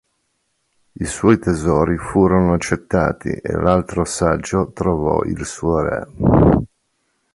I suoi tesori furono accettati e l'altro saggio trovò il suo re.